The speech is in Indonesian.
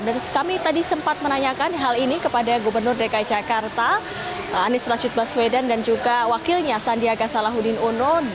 dan kami tadi sempat menanyakan hal ini kepada gubernur dki jakarta anies rajit baswedan dan juga wakilnya sandiaga salahuddin unun